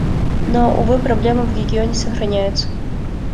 Но, увы, проблемы в регионе сохраняются.